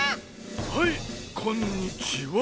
はいこんにちは。